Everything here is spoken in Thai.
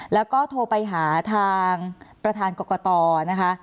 แล้วก็โทรไปหาทางประธานกรกตนะคะ